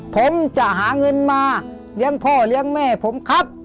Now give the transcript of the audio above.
ผมจะหาเงินมาเลี้ยงพ่อเลี้ยงแม่ผมครับ